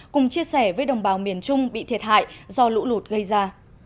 cùng chia sẻ với đồng bào miền trung bị thiệt hại do lũ lụt gây ra